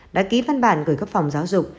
đã ký văn bản gửi các phòng giáo dục